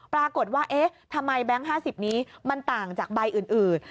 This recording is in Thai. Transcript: ปรากฏว่าเอ๊ะทำไมแบงค์๕๐นี้มันต่างจากใบอื่น